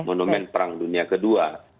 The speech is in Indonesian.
monumen perang dunia kedua